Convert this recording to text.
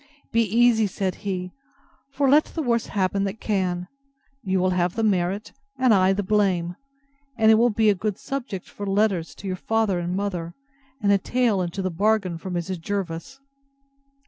Be easy, said he; for let the worst happen that can, you will have the merit, and I the blame; and it will be a good subject for letters to your father and mother, and a tale into the bargain for Mrs. Jervis.